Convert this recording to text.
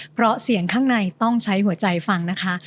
เพราะเสียงข้างในต้องใช้หัวใจฟังนะคะ